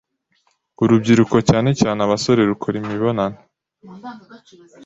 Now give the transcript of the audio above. Urubyiruko cyane cyane abasore rukora imibonano